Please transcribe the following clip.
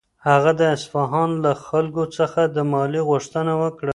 هغه د اصفهان له خلکو څخه د مالیې غوښتنه وکړه.